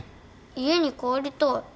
家に帰りたい。